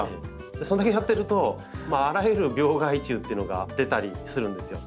それだけやってるとあらゆる病害虫っていうのが出たりするんですよ。